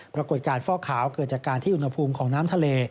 ปรากฏการณ์ฟอกขาวเกิดจากการที่อุณหภูมิของน้ำทะเล